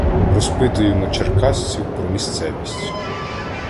Розпитуємо черкасців про місцевість.